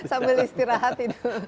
sambil istirahat tidur